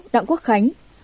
sáu đặng quốc khánh